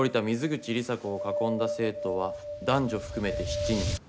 水口里紗子を囲んだ生徒は男女含めて７人。